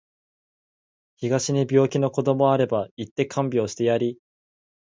東に病気の子どもあれば行って看病してやり